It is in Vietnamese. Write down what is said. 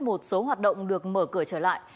một số hoạt động được mở cửa trở lại